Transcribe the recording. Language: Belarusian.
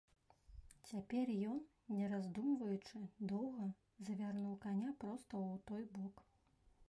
Цяпер ён, не раздумваючы доўга, завярнуў каня проста ў той бок.